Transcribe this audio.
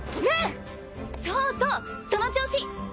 そうそうその調子。